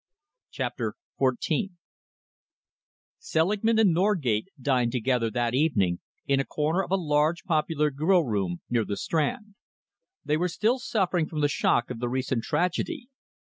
CHAPTER XIV Selingman and Norgate dined together that evening in a corner of a large, popular grill room near the Strand. They were still suffering from the shock of the recent tragedy.